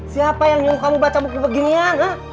siapa yang nyunggu kamu baca buku beginian